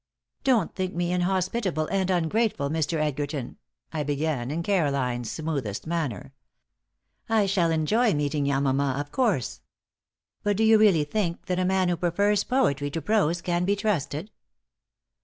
"Don't think me inhospitable and ungrateful, Mr. Edgerton," I began in Caroline's smoothest manner. "I shall enjoy meeting Yamama, of course. But do you really think that a man who prefers poetry to prose can be trusted?"